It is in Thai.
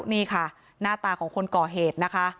หน้าตาของคนก่อเหตุ